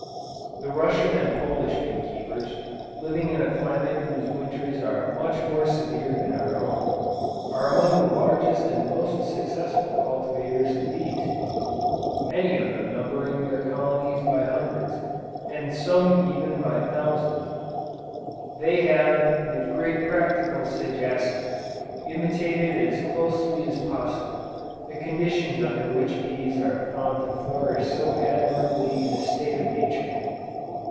The Russian and Polish bee keepers, living in a climate whose winters are much more severe than our own, are among the largest and most successful cultivators of bees, many of them numbering their colonies by hundreds, and some even by thousands! They have, with great practical sagacity, imitated as closely as possible, the conditions under which bees are found to flourish so admirably in a state of nature.